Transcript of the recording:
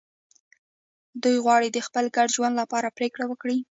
دوی غواړي د خپل ګډ ژوند لپاره پرېکړه وکړي.